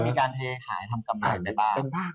ก็มีการเทฉายทำกำหนดน่ะบ้าง